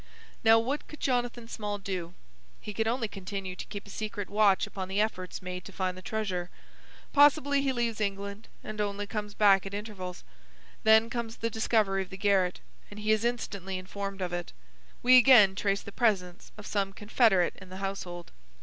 "Now, what could Jonathan Small do? He could only continue to keep a secret watch upon the efforts made to find the treasure. Possibly he leaves England and only comes back at intervals. Then comes the discovery of the garret, and he is instantly informed of it. We again trace the presence of some confederate in the household.